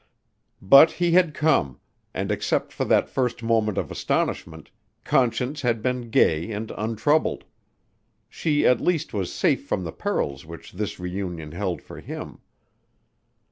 But he had come and except for that first moment of astonishment Conscience had been gay and untroubled. She at least was safe from the perils which this reunion held for him.